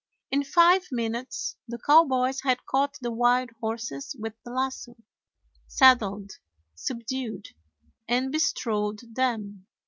In five minutes the cowboys had caught the wild horses with the lasso, saddled, subdued, and bestrode them.